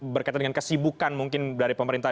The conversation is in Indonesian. berkaitan dengan kesibukan mungkin dari pemerintah